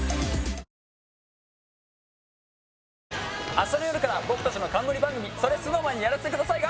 明日の夜から僕達の冠番組「それＳｎｏｗＭａｎにやらせて下さい」